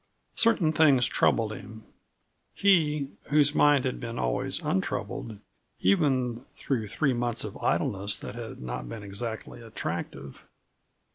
Certain things troubled him he, whose mind had been always untroubled even through three months of idleness that had not been exactly attractive.